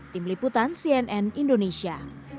tim liputan cnn indonesia